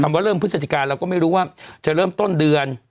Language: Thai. ว่าเริ่มพฤศจิกาเราก็ไม่รู้ว่าจะเริ่มต้นเดือน